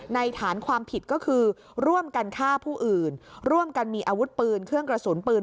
ฐานความผิดก็คือร่วมกันฆ่าผู้อื่นร่วมกันมีอาวุธปืนเครื่องกระสุนปืน